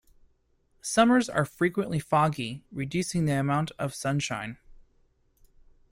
Summers are frequently foggy, reducing the amount of sunshine.